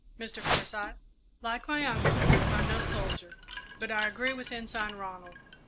"Mr. Forsyth?" "Like my uncle, I'm no soldier, but I agree with Ensign Ronald.